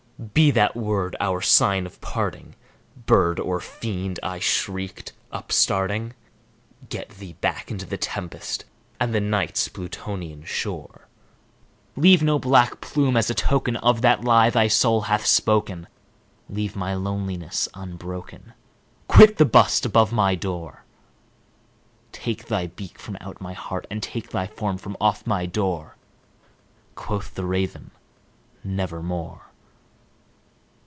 "Be that word our sign of parting, bird or fiend!" I shrieked, upstarting "Get thee back into the tempest and the Night's Plutonian shore! Leave no black plume as a token of that lie thy soul hath spoken! Leave my loneliness unbroken! quit the bust above my door! Take thy beak from out my heart, and take thy form from off my door!" Quoth the Raven, "Nevermore."